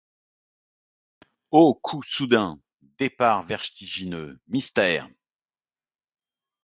Ô coups soudains! départs vertigineux ! mystère !